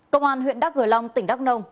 công an huyện đắk gờ long tỉnh đắk nông